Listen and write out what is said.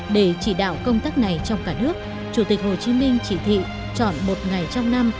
để chỉ đạo công tác này trong cả nước chủ tịch hồ chí minh chỉ thị chọn một ngày trong năm